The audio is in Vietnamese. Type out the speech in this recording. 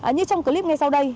như trong clip ngay sau đây